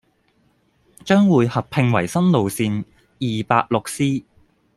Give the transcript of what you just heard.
將會合併為新路線二八六 C，